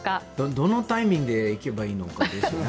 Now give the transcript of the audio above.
どのタイミングで行けばいいのかですね。